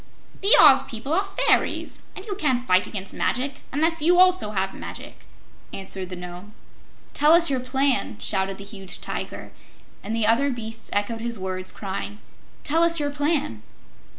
"The Oz people are fairies, and you can't fight against magic unless you also have magic," answered the Nome. "Tell us your plan!" shouted the huge Tiger, and the other beasts echoed his words, crying: "Tell us your plan."